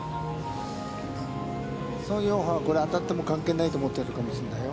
宋永漢、これ、当たっても関係ないと思ってるかもしれないよ。